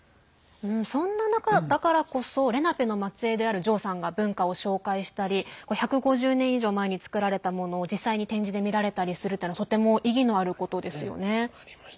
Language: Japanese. そんな中だからこそレナペの末えいであるジョーさんが文化を紹介したり１５０年以上前に作られたものを実際に展示で見られたりするというのはとても意義のあることですよね。